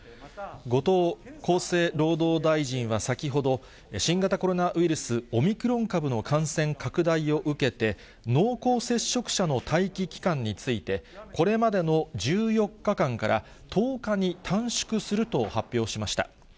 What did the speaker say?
後藤厚生労働大臣は先ほど、新型コロナウイルス、オミクロン株の感染拡大を受けて、濃厚接触者の待機期間について、これまでの１４日間から１０日に短縮すると発表しました。